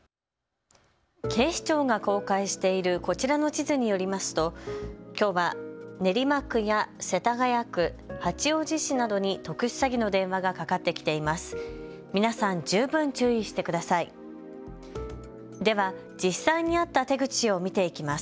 警視庁が公開しているこちらの地図によりますときょうは、練馬区や世田谷区、八王子市などに特殊詐欺の電話がかかってきています。